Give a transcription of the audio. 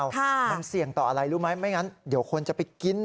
มันเสี่ยงต่ออะไรรู้ไหมไม่งั้นเดี๋ยวคนจะไปกิน